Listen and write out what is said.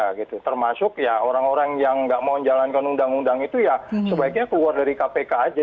ya gitu termasuk ya orang orang yang nggak mau menjalankan undang undang itu ya sebaiknya keluar dari kpk aja